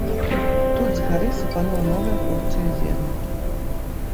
Тут згары сыпанула новая порцыя зерня.